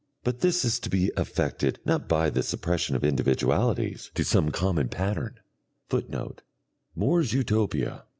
But this is to be effected not by the suppression of individualities to some common pattern, [Footnote: More's Utopia.